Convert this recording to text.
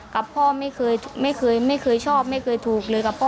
กับพ่อไม่เคยไม่เคยชอบไม่เคยถูกเลยกับพ่อ